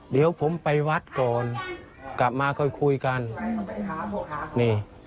เดี๋ยวผมไปวัดก่อนกลับมาค่อยคุยกันนี่